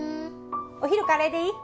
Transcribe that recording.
お昼カレーでいい？